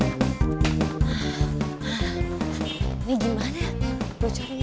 ini gimana bocorin aja ya